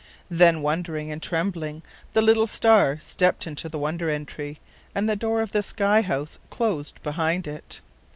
Then, wondering and trembling, the little star stepped into the Wonder Entry, and the door of the sky house closed behind it.